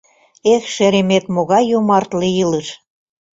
Эх, шеремет, могай йомартле илыш!